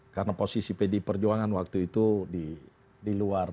karena posisi pd perjuangan waktu itu di luar